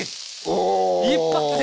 一発で！